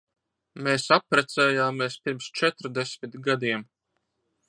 Mēs apprecējāmies pirms četrdesmit gadiem.